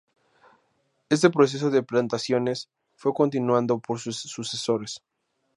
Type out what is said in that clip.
Este proceso de plantaciones fue continuado por sus sucesores.